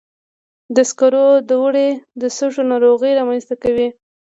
د سکرو دوړې د سږي ناروغۍ رامنځته کوي.